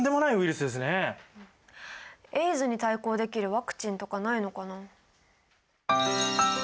ＡＩＤＳに対抗できるワクチンとかないのかな？